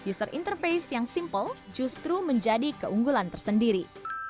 user interface yang simple justru menjadi keunggulan tersendiri